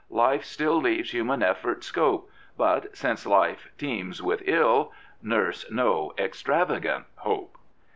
life still Leaves human effort scope. But, since life teems with ill, Nurse no extravagant hope.